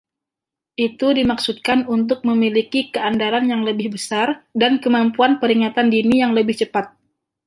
Itu dimaksudkan untuk memiliki keandalan yang lebih besar dan kemampuan peringatan dini yang lebih cepat.